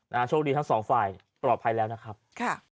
โชคดีทั้งสองฝ่ายปลอดภัยแล้วนะครับค่ะ